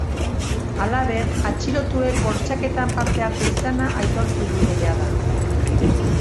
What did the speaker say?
Halaber, atxilotuek bortxaketan parte hartu izana aitortu dute jada.